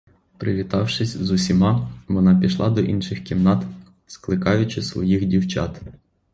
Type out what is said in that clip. Привітавшись з усіма, вона пішла до інших кімнат, скликаючи своїх дівчат.